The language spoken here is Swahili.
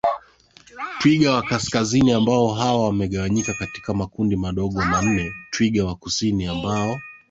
Twiga wa kaskazini ambao hawa wamegawanyika katika makundi madogo manne twiga wa kusini ambao